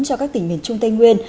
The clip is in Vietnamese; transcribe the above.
cho các tỉnh miền trung tây nguyên